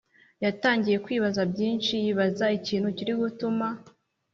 yatangiye kwibaza byinshi yibaza ikintu kiri gutuma